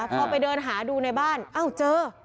พอไปเดินหาดูในบ้านอ้าวเจอ